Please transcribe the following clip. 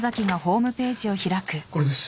これです